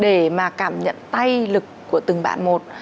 để mà cảm nhận tay lực của từng bạn một